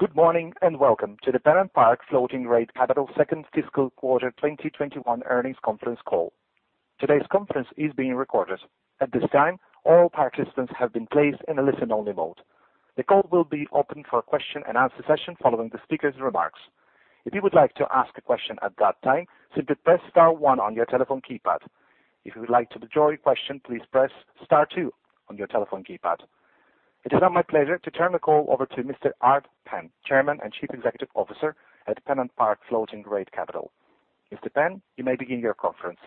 Good morning, welcome to the PennantPark Floating Rate Capital 2nd fiscal quarter 2021 earnings conference call. Today's conference is being recorded. The call will be open for a question-and-answer session following the speakers' remarks. If you would like to ask a question at that time, simply press star one on your telephone keypad. If you would like to withdraw your question, please press star two on your telephone keypad. It is now my pleasure to turn the call over to Mr. Art Penn, Chairman and Chief Executive Officer at PennantPark Floating Rate Capital. Mr. Penn, you may begin your conference.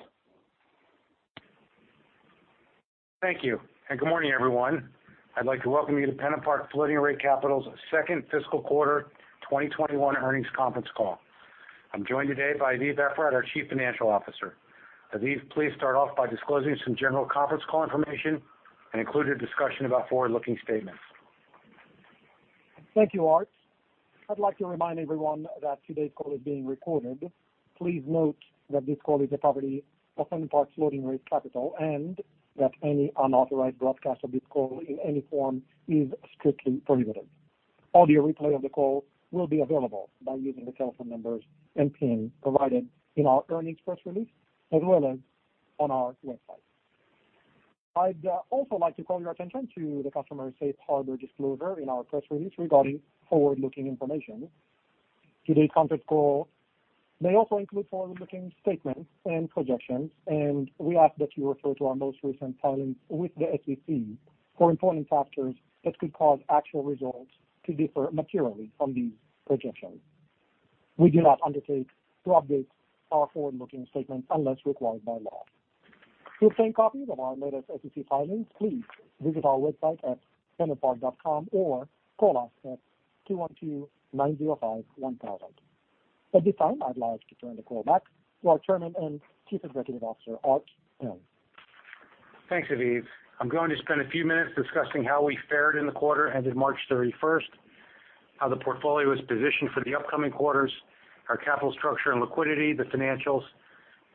Thank you. Good morning, everyone. I'd like to welcome you to PennantPark Floating Rate Capital's 2nd fiscal quarter 2021 earnings conference call. I'm joined today by Aviv Efrat, our Chief Financial Officer. Aviv, please start off by disclosing some general conference call information and include your discussion about forward-looking statements. Thank you, Art. I'd like to remind everyone that today's call is being recorded. Please note that this call is the property of PennantPark Floating Rate Capital, and that any unauthorized broadcast of this call in any form is strictly prohibited. Audio replay of the call will be available by using the telephone numbers and PIN provided in our earnings press release, as well as on our website. I'd also like to call your attention to the customary safe harbor disclosure in our press release regarding forward-looking information. Today's conference call may also include forward-looking statements and projections, and we ask that you refer to our most recent filings with the SEC for important factors that could cause actual results to differ materially from these projections. We do not undertake to update our forward-looking statements unless required by law. To obtain copies of our latest SEC filings, please visit our website at pennantpark.com or call us at 212-905-1000. At this time, I'd like to turn the call back to our Chairman and Chief Executive Officer, Art Penn. Thanks, Aviv. I'm going to spend a few minutes discussing how we fared in the quarter ended March 31st, how the portfolio is positioned for the upcoming quarters, our capital structure and liquidity, the financials.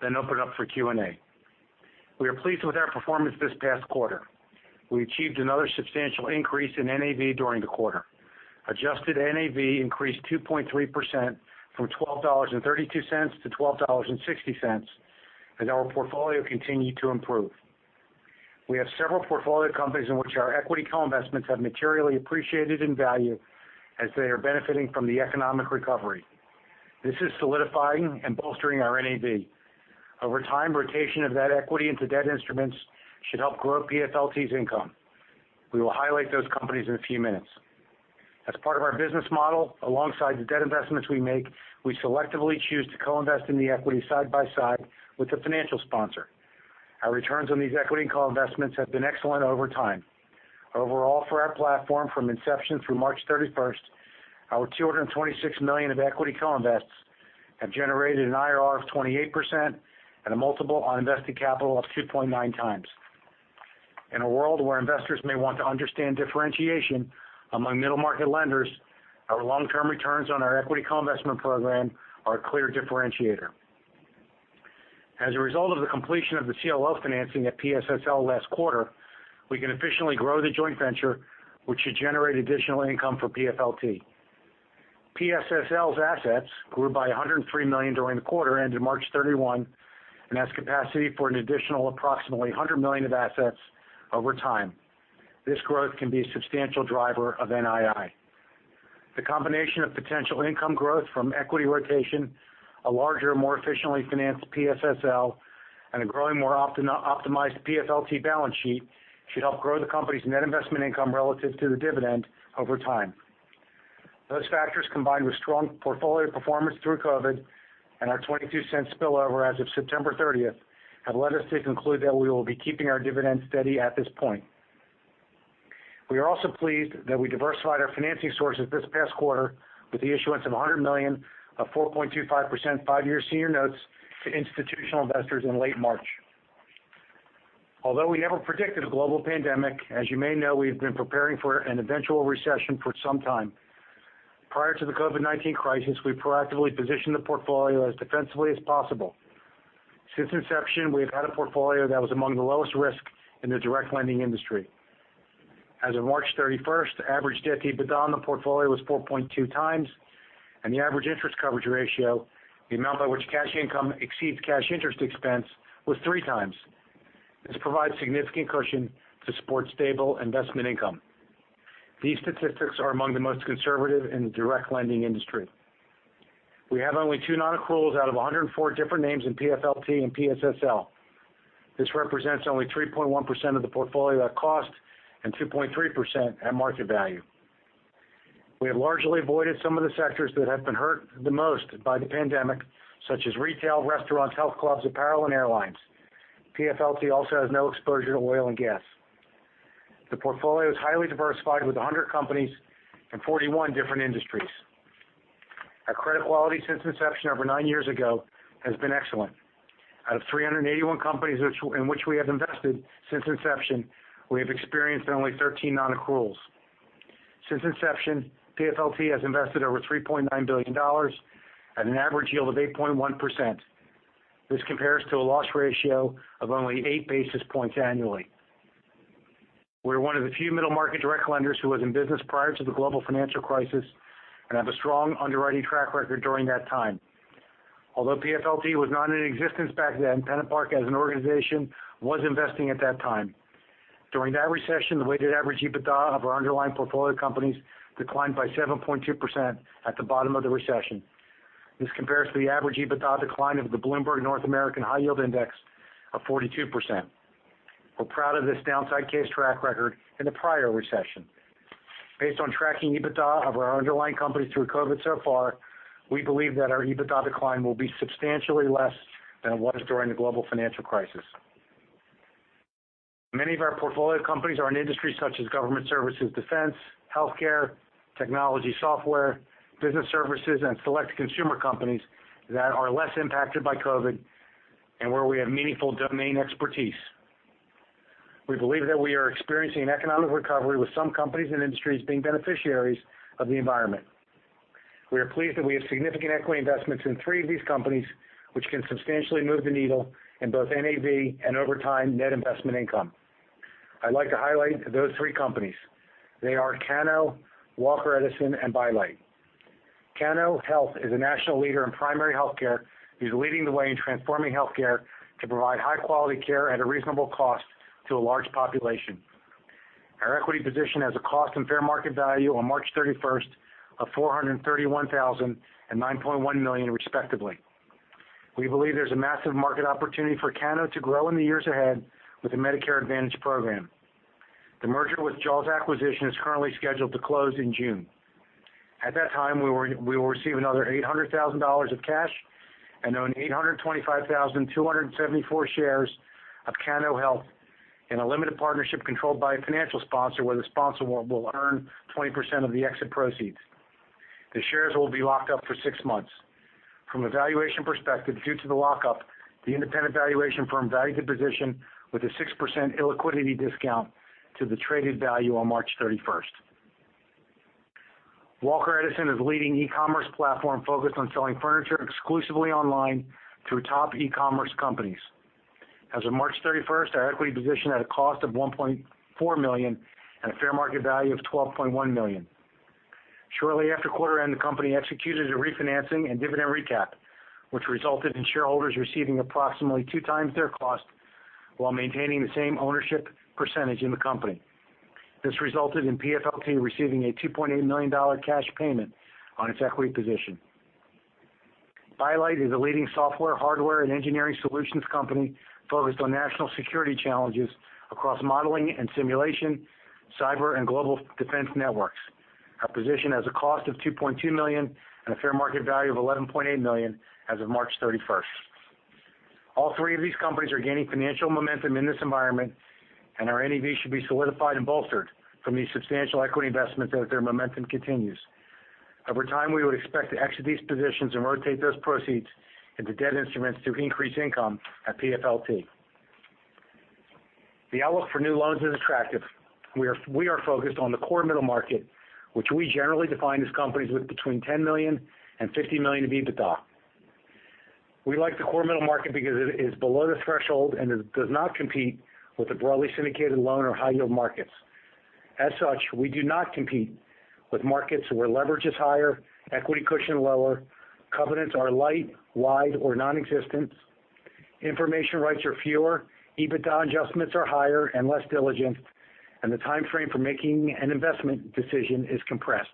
Open up for Q&A. We are pleased with our performance this past quarter. We achieved another substantial increase in NAV during the quarter. Adjusted NAV increased 2.3% from $12.32 to $12.60, and our portfolio continued to improve. We have several portfolio companies in which our equity co-investments have materially appreciated in value as they are benefiting from the economic recovery. This is solidifying and bolstering our NAV. Over time, rotation of that equity into debt instruments should help grow PFLT's income. We will highlight those companies in a few minutes. As part of our business model, alongside the debt investments we make, we selectively choose to co-invest in the equity side by side with the financial sponsor. Our returns on these equity co-investments have been excellent over time. Overall, for our platform from inception through March 31, our $226 million of equity co-invests have generated an IRR of 28% and a multiple on invested capital of 2.9x. In a world where investors may want to understand differentiation among middle-market lenders, our long-term returns on our equity co-investment program are a clear differentiator. As a result of the completion of the CLO financing at PSSL last quarter, we can efficiently grow the joint venture, which should generate additional income for PFLT. PSSL's assets grew by $103 million during the quarter ended March 31 and has capacity for an additional approximately $100 million of assets over time. This growth can be a substantial driver of NII. The combination of potential income growth from equity rotation, a larger, more efficiently financed PSSL, and a growing, more optimized PFLT balance sheet should help grow the company's net investment income relative to the dividend over time. Those factors, combined with strong portfolio performance through COVID and our $0.22 spillover as of September 30th, have led us to conclude that we will be keeping our dividend steady at this point. We are also pleased that we diversified our financing sources this past quarter with the issuance of $100 million of 4.25% five-year senior notes to institutional investors in late March. We never predicted a global pandemic, as you may know, we have been preparing for an eventual recession for some time. Prior to the COVID-19 crisis, we proactively positioned the portfolio as defensively as possible. Since inception, we have had a portfolio that was among the lowest risk in the direct lending industry. As of March 31st, the average debt-to-EBITDA in the portfolio was 4.2x, and the average interest coverage ratio, the amount by which cash income exceeds cash interest expense, was 3x. This provides significant cushion to support stable investment income. These statistics are among the most conservative in the direct lending industry. We have only two non-accruals out of 104 different names in PFLT and PSSL. This represents only 3.1% of the portfolio at cost and 2.3% at market value. We have largely avoided some of the sectors that have been hurt the most by the pandemic, such as retail, restaurants, health clubs, apparel, and airlines. PFLT also has no exposure to oil and gas. The portfolio is highly diversified with 100 companies and 41 different industries. Our credit quality since inception over nine years ago has been excellent. Out of 381 companies in which we have invested since inception, we have experienced only 13 non-accruals. Since inception, PFLT has invested over $3.9 billion at an average yield of 8.1%. This compares to a loss ratio of only eight basis points annually. We're one of the few middle-market direct lenders who was in business prior to the global financial crisis and have a strong underwriting track record during that time. Although PFLT was not in existence back then, PennantPark as an organization was investing at that time. During that recession, the weighted average EBITDA of our underlying portfolio companies declined by 7.2% at the bottom of the recession. This compares to the average EBITDA decline of the Bloomberg US Corporate High Yield Bond Index of 42%. We're proud of this downside case track record in the prior recession. Based on tracking EBITDA of our underlying companies through COVID so far, we believe that our EBITDA decline will be substantially less than it was during the global financial crisis. Many of our portfolio companies are in industries such as government services, defense, healthcare, technology software, business services, and select consumer companies that are less impacted by COVID and where we have meaningful domain expertise. We believe that we are experiencing an economic recovery, with some companies and industries being beneficiaries of the environment. We are pleased that we have significant equity investments in three of these companies, which can substantially move the needle in both NAV and, over time, net investment income. I'd like to highlight those three companies. They are Cano, Walker Edison, and By Light. Cano Health is a national leader in primary healthcare who's leading the way in transforming healthcare to provide high-quality care at a reasonable cost to a large population. Our equity position has a cost and fair market value on March 31st of $431,000 and $9.1 million respectively. We believe there's a massive market opportunity for Cano to grow in the years ahead with the Medicare Advantage program. The merger with Jaws Acquisition is currently scheduled to close in June. At that time, we will receive another $800,000 of cash and own 825,274 shares of Cano Health in a limited partnership controlled by a financial sponsor where the sponsor will earn 20% of the exit proceeds. The shares will be locked up for six months. From a valuation perspective, due to the lockup, the independent valuation firm valued the position with a 6% illiquidity discount to the traded value on March 31st. Walker Edison is a leading e-commerce platform focused on selling furniture exclusively online through top e-commerce companies. As of March 31st, our equity position had a cost of $1.4 million and a fair market value of $12.1 million. Shortly after quarter end, the company executed a refinancing and dividend recap, which resulted in shareholders receiving approximately two times their cost while maintaining the same ownership percentage in the company. This resulted in PFLT receiving a $2.8 million cash payment on its equity position. By Light is a leading software, hardware, and engineering solutions company focused on national security challenges across modeling and simulation, cyber and global defense networks. Our position has a cost of $2.2 million and a fair market value of $11.8 million as of March 31st. All three of these companies are gaining financial momentum in this environment, and our NAV should be solidified and bolstered from these substantial equity investments as their momentum continues. Over time, we would expect to exit these positions and rotate those proceeds into debt instruments to increase income at PFLT. The outlook for new loans is attractive. We are focused on the core middle market, which we generally define as companies with between $10 million and $50 million in EBITDA. We like the core middle market because it is below the threshold and does not compete with the broadly syndicated loan or high-yield markets. As such, we do not compete with markets where leverage is higher, equity cushion lower, covenants are light, wide, or nonexistent, information rights are fewer, EBITDA adjustments are higher and less diligent, and the timeframe for making an investment decision is compressed.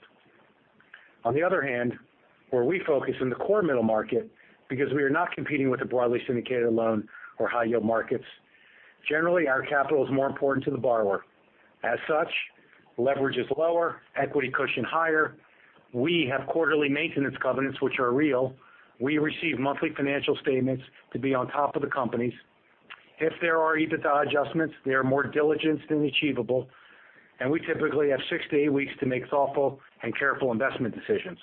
On the other hand, where we focus in the core middle market, because we are not competing with the broadly syndicated loan or high-yield markets, generally, our capital is more important to the borrower. As such, leverage is lower, equity cushion higher. We have quarterly maintenance covenants which are real. We receive monthly financial statements to be on top of the companies. If there are EBITDA adjustments, they are more diligent and achievable, and we typically have six-eight weeks to make thoughtful and careful investment decisions.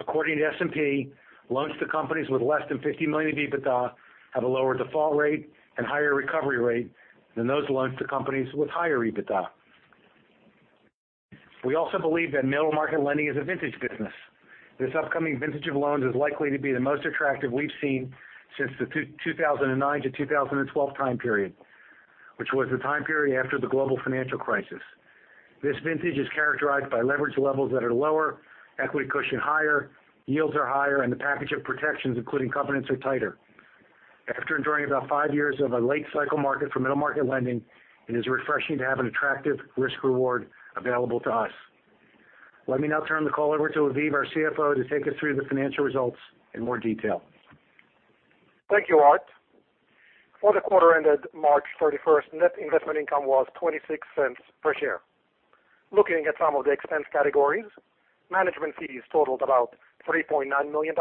According to S&P, loans to companies with less than $50 million in EBITDA have a lower default rate and higher recovery rate than those loans to companies with higher EBITDA. We also believe that middle market lending is a vintage business. This upcoming vintage of loans is likely to be the most attractive we've seen since the 2009-2012 time period, which was the time period after the global financial crisis. This vintage is characterized by leverage levels that are lower, equity cushion higher, yields are higher, and the package of protections, including covenants, are tighter. After enduring about five years of a late cycle market for middle-market lending, it is refreshing to have an attractive risk-reward available to us. Let me now turn the call over to Aviv, our CFO, to take us through the financial results in more detail. Thank you, Art. For the quarter ended March 31st, net investment income was $0.26 per share. Looking at some of the expense categories, management fees totaled about $3.9 million.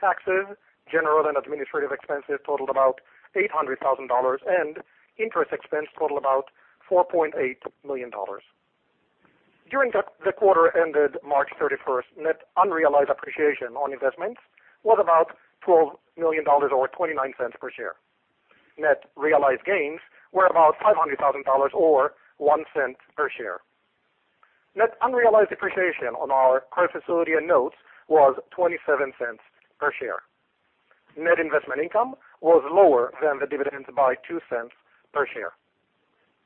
Taxes, general and administrative expenses totaled about $800,000, and interest expense totaled about $4.8 million. During the quarter ended March 31st, net unrealized appreciation on investments was about $12 million, or $0.29 per share. Net realized gains were about $500,000, or $0.01 per share. Net unrealized depreciation on our credit facility and notes was $0.27 per share. Net investment income was lower than the dividends by $0.02 per share.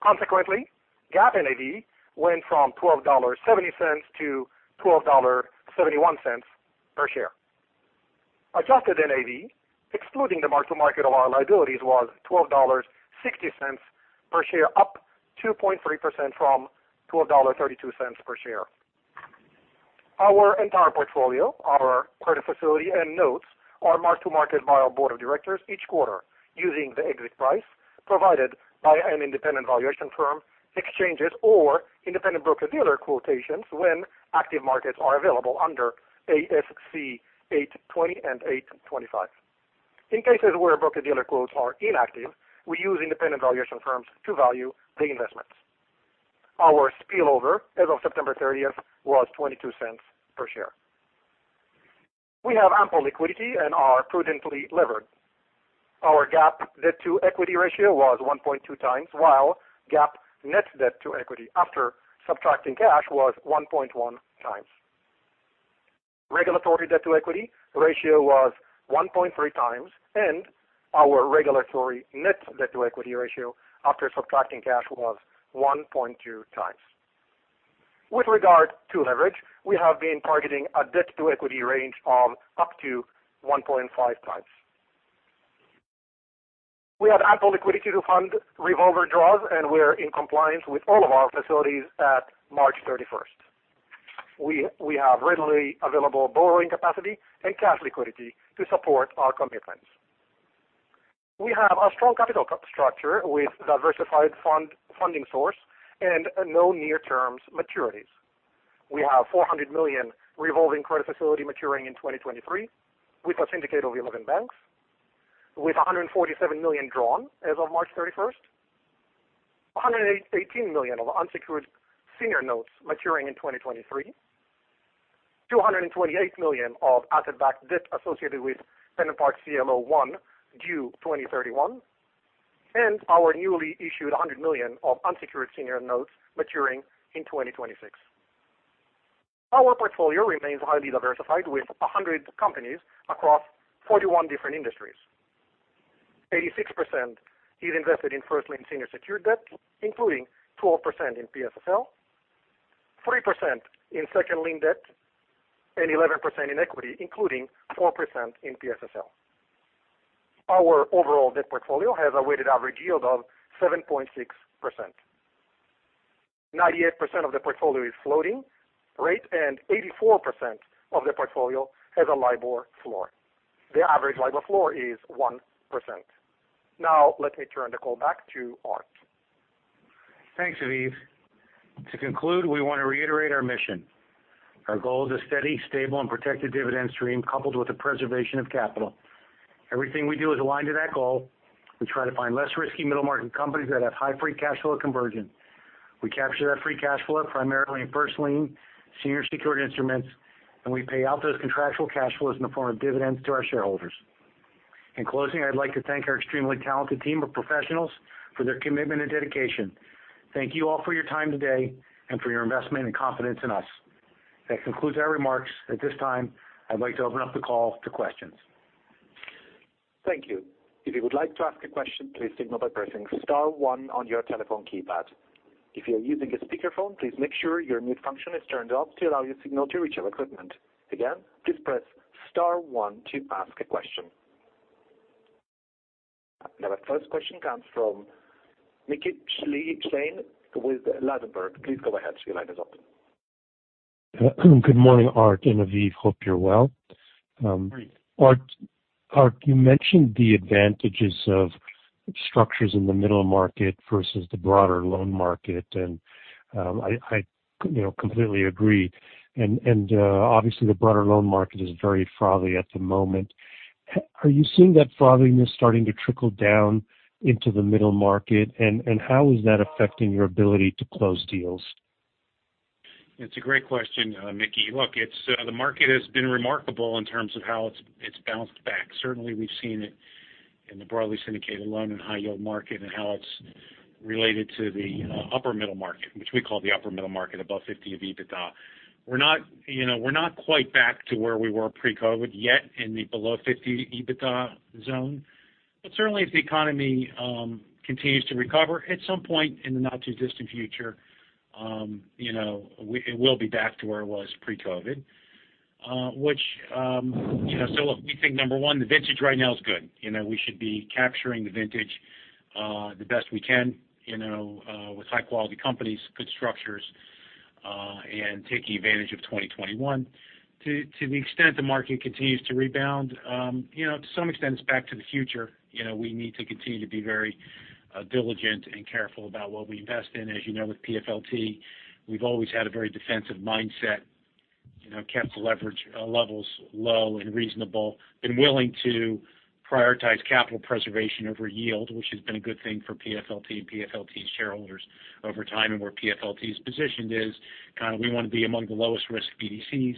GAAP NAV went from $12.70 to $12.71 per share. Adjusted NAV, excluding the mark-to-market of our liabilities, was $12.60 per share, up 2.3% from $12.32 per share. Our entire portfolio, our credit facility, and notes are marked to market by our board of directors each quarter using the exit price provided by an independent valuation firm, exchanges, or independent broker-dealer quotations when active markets are available under ASC 820 and 825. In cases where broker-dealer quotes are inactive, we use independent valuation firms to value the investments. Our spillover as of September 30th was $0.22 per share. We have ample liquidity and are prudently levered. Our GAAP debt-to-equity ratio was 1.2x, while GAAP net debt to equity after subtracting cash was 1.1x. Regulatory debt-to-equity ratio was 1.3x, and our regulatory net debt-to-equity ratio after subtracting cash was 1.2x. With regard to leverage, we have been targeting a debt-to-equity range of up to 1.5x. We have ample liquidity to fund revolver draws, and we are in compliance with all of our facilities at March 31st. We have readily available borrowing capacity and cash liquidity to support our commitments. We have a strong capital structure with diversified funding source and no near-term maturities. We have a $400 million revolving credit facility maturing in 2023 with a syndicate of 11 banks, with $147 million drawn as of March 31st. $118 million of unsecured senior notes maturing in 2023, $228 million of asset-backed debt associated with PennantPark CLO I due 2031, and our newly issued $100 million of unsecured senior notes maturing in 2026. Our portfolio remains highly diversified with 100 companies across 41 different industries. 86% is invested in first lien senior secured debt, including 12% in PSSL, 3% in second lien debt, and 11% in equity, including 4% in PSSL. Our overall debt portfolio has a weighted average yield of 7.6%. 98% of the portfolio is floating rate, and 84% of the portfolio has a LIBOR floor. The average LIBOR floor is 1%. Let me turn the call back to Art. Thanks, Aviv. To conclude, we want to reiterate our mission. Our goal is a steady, stable, and protected dividend stream coupled with the preservation of capital. Everything we do is aligned to that goal. We try to find less risky middle-market companies that have high free cash flow conversion. We capture that free cash flow primarily in first lien senior secured instruments, and we pay out those contractual cash flows in the form of dividends to our shareholders. In closing, I'd like to thank our extremely talented team of professionals for their commitment and dedication. Thank you all for your time today and for your investment and confidence in us. That concludes our remarks. At this time, I'd like to open up the call to questions. Thank you. If you would like to ask a question, please signal by pressing star one on your telephone keypad. If you're using a speakerphone, please make sure your mute function is turned off to allow your signal to reach our equipment. Again, please press star one to ask a question. The first question comes from Mickey Schleien with Ladenburg Thalmann. Please go ahead. Your line is open. Good morning, Art and Aviv. Hope you're well. Great. Art, you mentioned the advantages of structures in the middle market versus the broader loan market. I completely agree. Obviously, the broader loan market is very frothy at the moment. Are you seeing that frothiness starting to trickle down into the middle market? How is that affecting your ability to close deals? It's a great question, Mickey. Look, the market has been remarkable in terms of how it's bounced back. Certainly, we've seen it in the broadly syndicated loan and high yield market and how it's related to the upper middle market, which we call the upper middle market above 50 of EBITDA. We're not quite back to where we were pre-COVID yet in the below 50 EBITDA zone. Certainly as the economy continues to recover, at some point in the not-too-distant future, it will be back to where it was pre-COVID. Look, we think, number one, the vintage right now is good. We should be capturing the vintage the best we can with high-quality companies, good structures, and taking advantage of 2021. To the extent the market continues to rebound, to some extent it's back to the future. We need to continue to be very diligent and careful about what we invest in. As you know with PFLT, we've always had a very defensive mindset. Kept leverage levels low and reasonable and willing to prioritize capital preservation over yield, which has been a good thing for PFLT and PFLT's shareholders over time. Where PFLT's position is, we want to be among the lowest risk BDCs.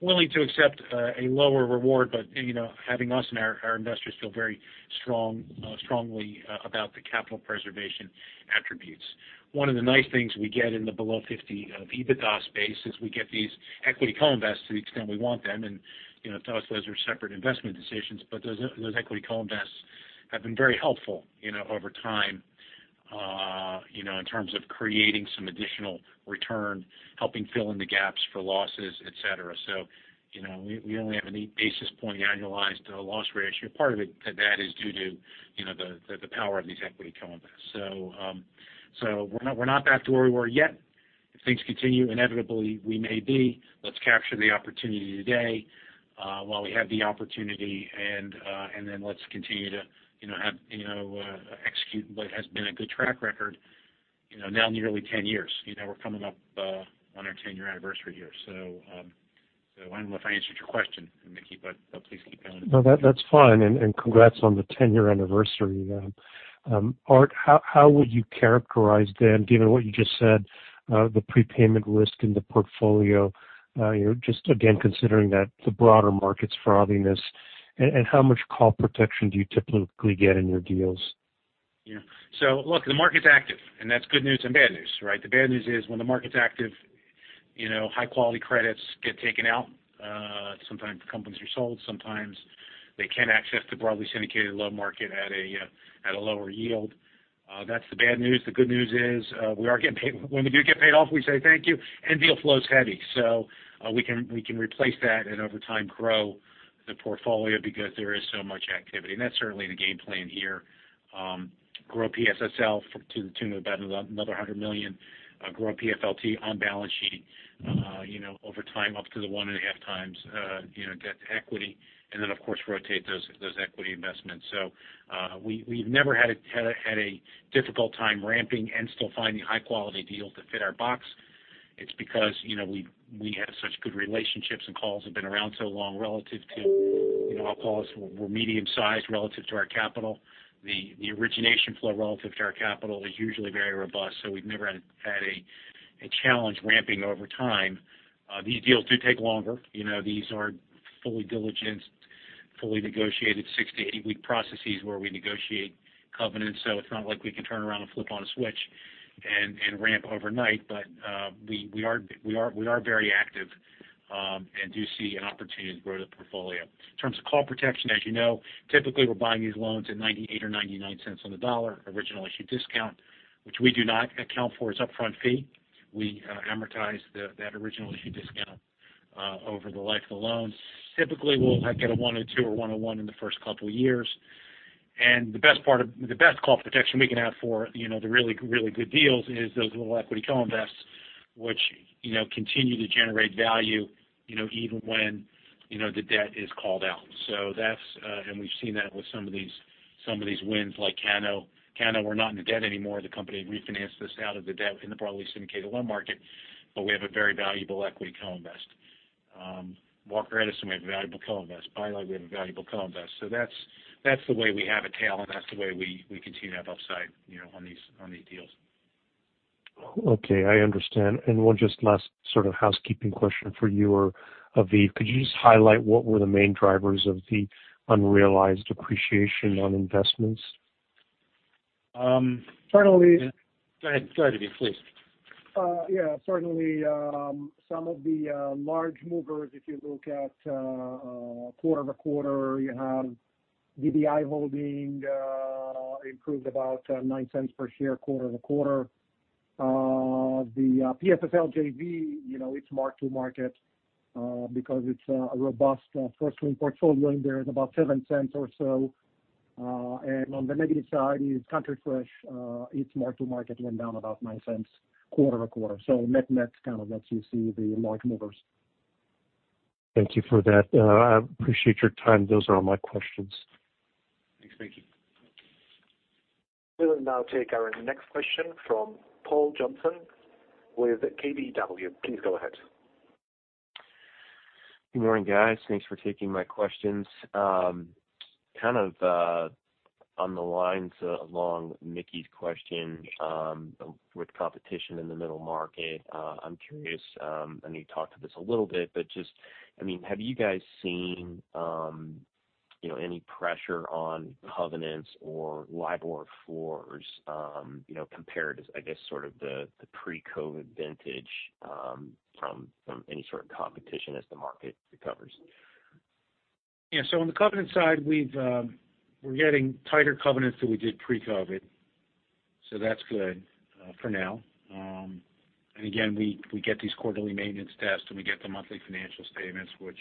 Willing to accept a lower reward, but having us and our investors feel very strongly about the capital preservation. One of the nice things we get in the below 50 of EBITDA space is we get these equity co-invest to the extent we want them. Those equity co-invest have been very helpful over time, in terms of creating some additional return, helping fill in the gaps for losses, et cetera. We only have an 8 basis point annualized loss ratio. Part of that is due to the power of these equity co-invest. We're not back to where we were yet. If things continue, inevitably we may be. Let's capture the opportunity today while we have the opportunity, and then let's continue to execute what has been a good track record now nearly 10 years. We're coming up on our 10-year anniversary here. I don't know if I answered your question, Mickey, but please keep going. No, that's fine. Congrats on the 10-year anniversary. Art, how would you characterize then, given what you just said, the prepayment risk in the portfolio? Just again, considering that the broader market's frothiness, and how much call protection do you typically get in your deals? Yeah. Look, the market's active, and that's good news and bad news, right? The bad news is when the market's active, high-quality credits get taken out. Sometimes companies are sold. Sometimes they can't access the broadly syndicated loan market at a lower yield. That's the bad news. The good news is when we do get paid off, we say thank you, and deal flow is heavy. We can replace that and over time grow the portfolio because there is so much activity. That's certainly the game plan here. Grow PSSL to the tune of about another $100 million. Grow PFLT on balance sheet over time up to the 1.5x debt-to-equity. Of course, rotate those equity investments. We've never had a difficult time ramping and still finding high-quality deals that fit our box. It's because we have such good relationships and calls have been around so long relative to our calls were medium-sized relative to our capital. The origination flow relative to our capital is usually very robust, so we've never had a challenge ramping over time. These deals do take longer. These are fully diligenced, fully negotiated 60-80 week processes where we negotiate covenants. It's not like we can turn around and flip on a switch and ramp overnight. We are very active and do see an opportunity to grow the portfolio. In terms of call protection, as you know, typically we're buying these loans at $0.98 or $0.99 on the dollar original issue discount, which we do not account for as upfront fee. We amortize that original issue discount over the life of the loan. Typically, we'll get a 102 or 101 in the first couple of years. The best call protection we can have for the really good deals is those little equity co-invests which continue to generate value even when the debt is called out. We've seen that with some of these wins like Cano. Cano, we're not in the debt anymore. The company refinanced us out of the debt in the broadly syndicated loan market, but we have a very valuable equity co-invest. Walker Edison, we have a valuable co-invest. By Light, we have a valuable co-invest. That's the way we have a tail, and that's the way we continue to have upside on these deals. Okay, I understand. One just last sort of housekeeping question for you or Aviv. Could you just highlight what were the main drivers of the unrealized appreciation on investments? Certainly. Go ahead, Aviv, please. Yeah. Certainly, some of the large movers, if you look at quarter-over-quarter, you have DDI Holding improved about $0.09 per share quarter-over-quarter. The PSSL JV, its mark-to-market because it's a robust first lien portfolio in there is about $0.07 or so. On the negative side is Country Fresh. Its mark-to-market went down about $0.09 quarter-over-quarter. Net kind of lets you see the large movers. Thank you for that. I appreciate your time. Those are all my questions. Thanks, Mickey. We'll now take our next question from Paul Johnson with KBW. Please go ahead. Good morning, guys. Thanks for taking my questions. Kind of on the lines along Mickey Schleien's question with competition in the middle market. Just have you guys seen any pressure on covenants or LIBOR floors compared to, I guess, sort of the pre-COVID vintage from any sort of competition as the market recovers? Yeah. On the covenant side, we're getting tighter covenants than we did pre-COVID, so that's good for now. Again, we get these quarterly maintenance tests, and we get the monthly financial statements, which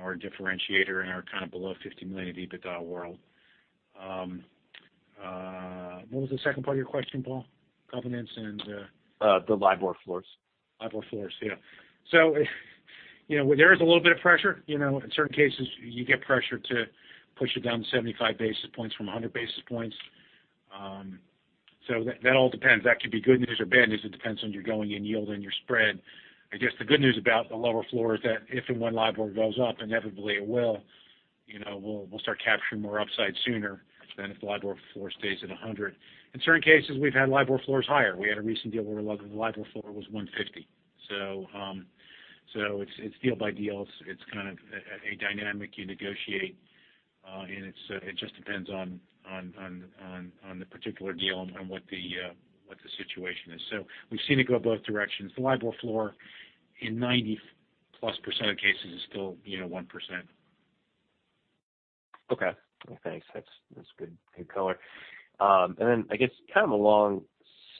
are a differentiator in our kind of below $50 million of EBITDA world. What was the 2nd part of your question, Paul? Covenants and- The LIBOR floors. LIBOR floors. Yeah. There is a little bit of pressure. In certain cases, you get pressure to push it down to 75 basis points from 100 basis points. That all depends. That could be good news or bad news. It depends on your going-in yield and your spread. I guess the good news about the lower floor is that if and when LIBOR goes up, inevitably it will, we'll start capturing more upside sooner than if the LIBOR floor stays at 100. In certain cases, we've had LIBOR floors higher. We had a recent deal where the LIBOR floor was 150. It's deal by deal. It's kind of a dynamic you negotiate. It just depends on the particular deal and what the situation is. We've seen it go both directions. The LIBOR floor in 90%+ of cases is still 1%. Okay. Thanks. That's good color. I guess kind of along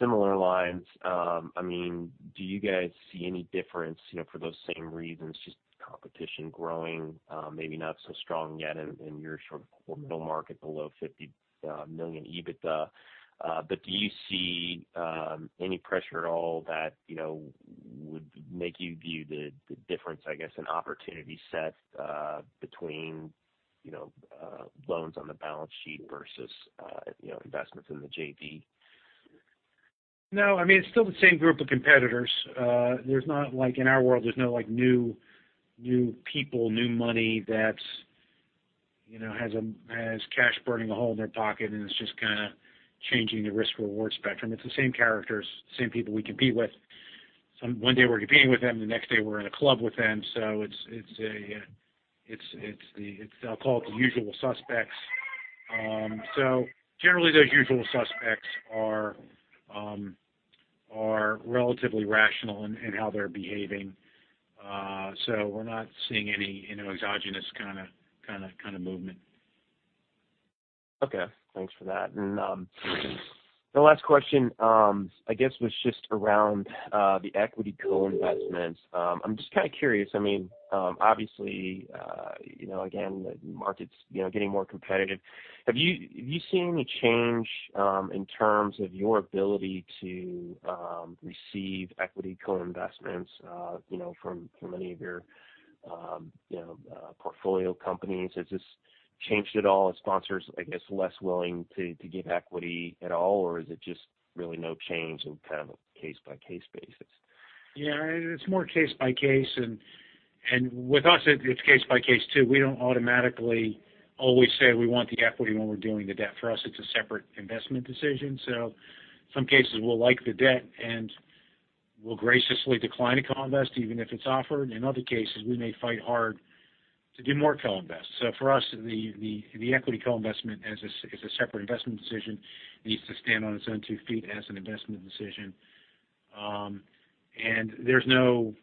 similar lines, do you guys see any difference for those same reasons, just competition growing, maybe not so strong yet in your sort of middle market below 50 million EBITDA. Do you see any pressure at all that would make you view the difference, I guess, in opportunity set between loans on the balance sheet versus investments in the JV? No. It's still the same group of competitors. In our world, there's no new people, new money that has cash burning a hole in their pocket, and it's just kind of changing the risk-reward spectrum. It's the same characters, same people we compete with. One day we're competing with them, the next day we're in a club with them. I'll call it the usual suspects. Generally, those usual suspects are relatively rational in how they're behaving. We're not seeing any exogenous kind of movement. Okay. Thanks for that. The last question, I guess was just around the equity co-investments. I'm just kind of curious. Obviously, again, the market's getting more competitive. Have you seen any change in terms of your ability to receive equity co-investments from any of your portfolio companies? Has this changed at all? Are sponsors, I guess, less willing to give equity at all, or is it just really no change and kind of a case-by-case basis? Yeah. It's more case by case. With us, it's case by case too. We don't automatically always say we want the equity when we're doing the debt. For us, it's a separate investment decision. Some cases we'll like the debt and we'll graciously decline a co-invest even if it's offered. In other cases, we may fight hard to do more co-invest. For us, the equity co-investment is a separate investment decision. It needs to stand on its own two feet as an investment decision. There's no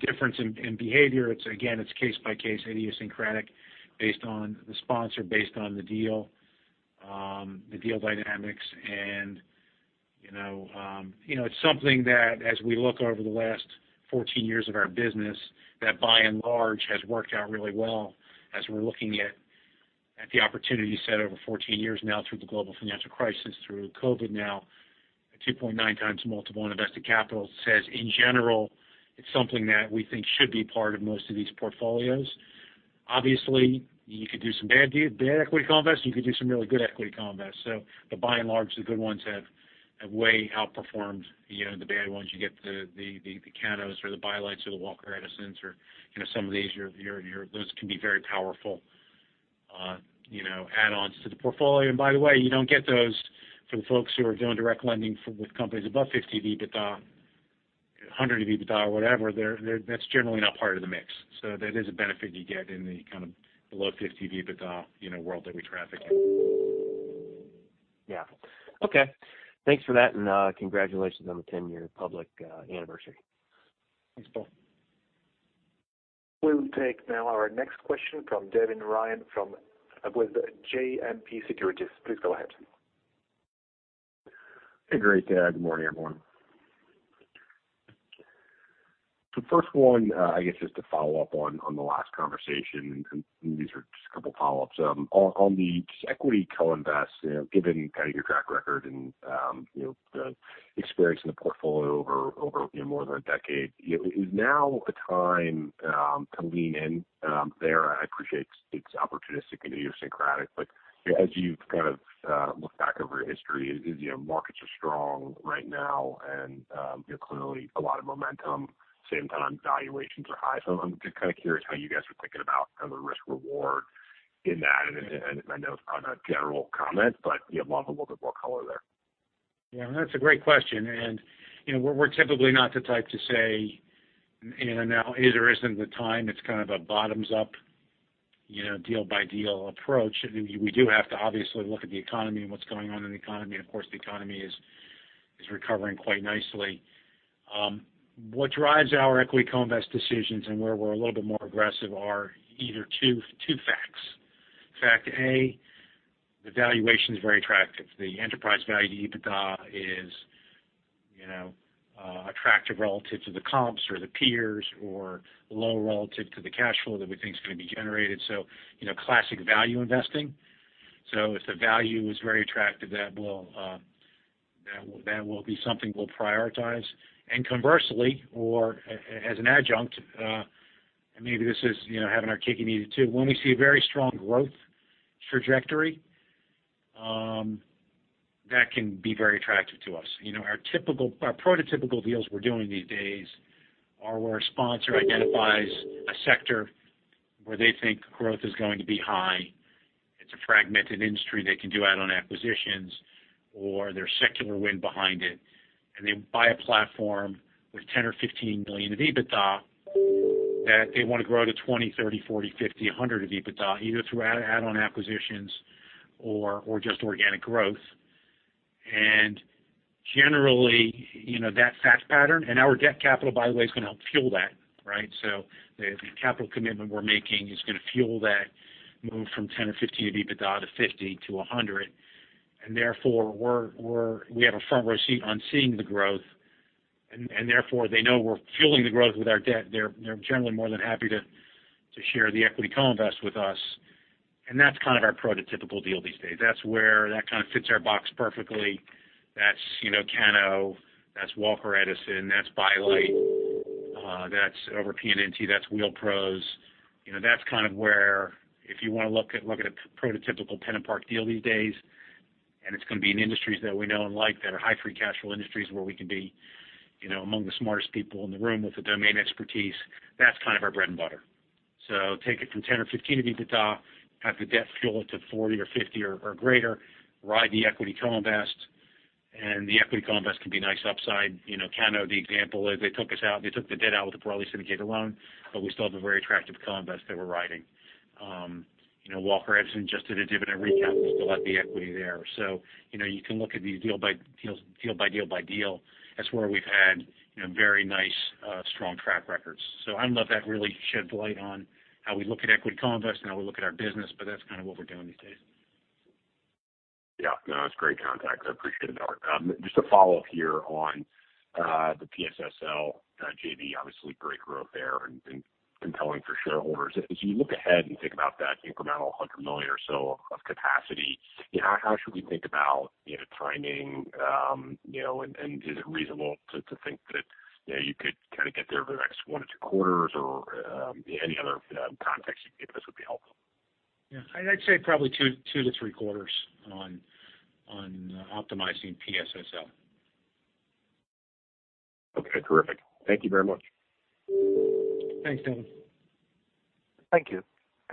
difference in behavior. Again, it's case by case, idiosyncratic based on the sponsor, based on the deal, the deal dynamics. It's something that as we look over the last 14 years of our business, that by and large has worked out really well as we're looking at the opportunity set over 14 years now through the global financial crisis, through COVID now. A 2.9x multiple on invested capital says, in general, it's something that we think should be part of most of these portfolios. Obviously, you could do some bad equity co-invests, you could do some really good equity co-invest. By and large, the good ones have way outperformed the bad ones. You get the Cano Health or the By Light or the Walker Edison or some of these. Those can be very powerful add-ons to the portfolio. By the way, you don't get those from folks who are doing direct lending with companies above 50 EBITDA, 100 EBITDA or whatever. That's generally not part of the mix. That is a benefit you get in the kind of below 50 EBITDA world that we traffic in. Yeah. Okay. Thanks for that. Congratulations on the 10-year public anniversary. Thanks, Paul. We will take now our next question from Devin Ryan with JMP Securities. Please go ahead. Hey, great. Yeah. Good morning, everyone. First one, I guess, just to follow up on the last conversation, these are just a couple of follow-ups. On the equity co-invest, given kind of your track record and the experience in the portfolio over more than a decade, is now a time to lean in there? I appreciate it's opportunistic and idiosyncratic, as you've kind of looked back over history, markets are strong right now and clearly a lot of momentum. Same time, valuations are high. I'm just kind of curious how you guys are thinking about kind of the risk-reward in that. I know it's kind of a general comment, but would love a little bit more color there. Yeah, that's a great question. We're typically not the type to say now is or isn't the time. It's kind of a bottoms-up, deal-by-deal approach. We do have to obviously look at the economy and what's going on in the economy, and of course, the economy is recovering quite nicely. What drives our equity co-invest decisions and where we're a little bit more aggressive are either two facts. Fact A, the valuation is very attractive. The enterprise value to EBITDA is attractive relative to the comps or the peers or low relative to the cash flow that we think is going to be generated. Classic value investing. If the value is very attractive, that will be something we'll prioritize. Conversely, or as an adjunct, and maybe this is having our cake and eating it too. When we see a very strong growth trajectory, that can be very attractive to us. Our prototypical deals we're doing these days are where a sponsor identifies a sector where they think growth is going to be high. It's a fragmented industry. They can do add-on acquisitions or there's secular wind behind it, they buy a platform with $10 million or $15 million of EBITDA that they want to grow to $20 million, $30 million, $40 million, $50 million, $100 million of EBITDA, either through add-on acquisitions or just organic growth. Generally, that fact pattern. Our debt capital, by the way, is going to help fuel that, right? The capital commitment we're making is going to fuel that move from $10 million or $15 million of EBITDA to $50 million to $100 million. Therefore, we have a front-row seat on seeing the growth, therefore they know we're fueling the growth with our debt. They're generally more than happy to share the equity co-invest with us. That's kind of our prototypical deal these days. That's where that kind of fits our box perfectly. That's Cano, that's Walker Edison, that's By Light, that's over PNNT, that's Wheel Pros. That's kind of where if you want to look at a prototypical PennantPark deal these days, and it's going to be in industries that we know and like that are high free cash flow industries where we can be among the smartest people in the room with the domain expertise. That's kind of our bread and butter. Take it from $10 million or $15 million of EBITDA, have the debt fuel it to $40 million or $50 million or greater, ride the equity co-invest, and the equity co-invest can be nice upside. Cano, the example is they took us out, they took the debt out with a broadly syndicated loan, but we still have a very attractive co-invest that we're riding. Walker Edison just did a dividend recap and we still have the equity there. You can look at these deal by deal by deal. That's where we've had very nice, strong track records. I don't know if that really sheds light on how we look at equity co-invest and how we look at our business, but that's kind of what we're doing these days. Yeah, no, that's great context. I appreciate it, Art. Just a follow-up here on the PSSL JV. Obviously great growth there and compelling for shareholders. As you look ahead and think about that incremental $100 million or so of capacity, how should we think about timing, and is it reasonable to think that you could kind of get there over the next one-two quarters or any other context you can give us would be helpful? Yeah. I'd say probably two to three quarters on optimizing PSSL. Okay, terrific. Thank you very much. Thanks, Devin. Thank you.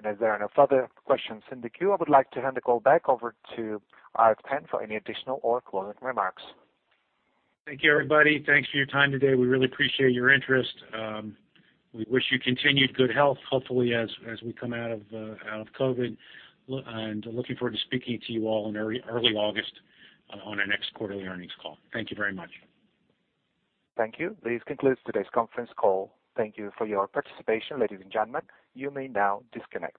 As there are no further questions in the queue, I would like to hand the call back over to Art Penn for any additional or closing remarks. Thank you, everybody. Thanks for your time today. We really appreciate your interest. We wish you continued good health, hopefully as we come out of COVID, and looking forward to speaking to you all in early August on our next quarterly earnings call. Thank you very much. Thank you. This concludes today's conference call. Thank you for your participation. Ladies and gentlemen, you may now disconnect.